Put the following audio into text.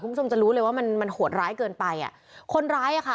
คุณผู้ชมจะรู้เลยว่ามันมันโหดร้ายเกินไปอ่ะคนร้ายอ่ะค่ะ